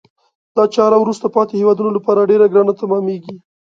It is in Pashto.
دا چاره وروسته پاتې هېوادونه لپاره ډیره ګرانه تمامیږي.